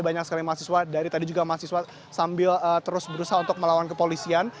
banyak sekali mahasiswa dari tadi juga mahasiswa sambil terus berusaha untuk melawan kepolisian